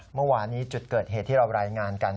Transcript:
เมื่อวานนี้จุดเกิดเหตุที่เรารายงานกัน